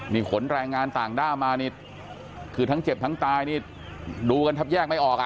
นี่ขนแรงงานต่างด้าวมานี่คือทั้งเจ็บทั้งตายนี่ดูกันแทบแยกไม่ออกอ่ะ